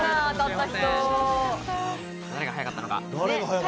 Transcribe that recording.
誰が早かったのか。